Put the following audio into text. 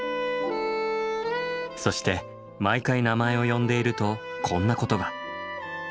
そして毎回名前を呼んでいるとこんなことが。